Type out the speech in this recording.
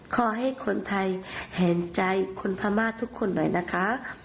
ขอให้คนไทยเห็นใจคนพม่าทุกคนหน่อยนะคะ